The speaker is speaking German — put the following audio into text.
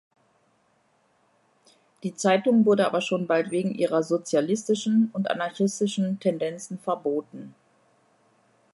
Die Zeitung wurde aber schon bald wegen ihrer „sozialistischen und anarchistischen Tendenzen“ verboten.